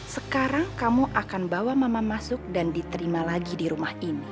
sekarang kamu akan bawa mama masuk dan diterima lagi di rumah ini